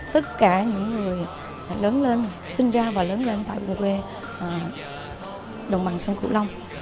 tất cả những người lớn lên sinh ra và lớn lên tại vùng quê đồng bằng sông cửu long